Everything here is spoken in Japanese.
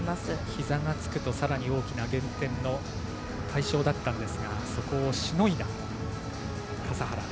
ひざがつくとさらに大きな減点の対象だったんですがそこをしのいだ笠原。